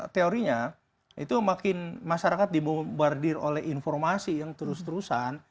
teorinya itu makin masyarakat dibombardir oleh informasi yang terus terusan